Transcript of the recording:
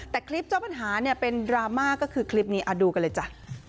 แต่คลิปเจ้าปัญหาเนี่ยเป็นดราม่าก็คือคลิปนี้ดูกันเลยจ้ะ